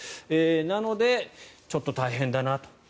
なのでちょっと大変だなと。